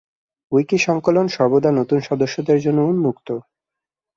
উইকিসংকলন সর্বদা নতুন সদস্যদের জন্য উন্মুক্ত।